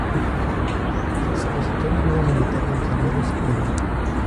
Se solicitó la ayuda militar de sus aliados Yamato.